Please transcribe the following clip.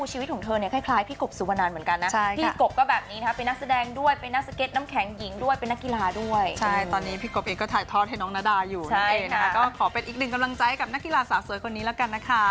เหนื่อยหนักหน่อยนะฮะนะคะ